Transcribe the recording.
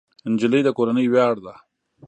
نجلۍ د کورنۍ ویاړ ده.